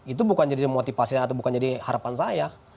itu bukan jadi motivasi atau bukan jadi harapan saya